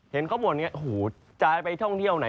เห็นเข้าบนอย่างนี้ด้วยในข้องที่วน่ะ